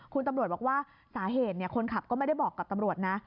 คุณตำรวจบอกว่าสาเหตุคนขับก็ไม่ได้บอกกับตำรวจนะ